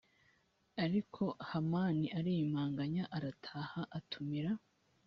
ariko hamani ariyumanganya arataha atumira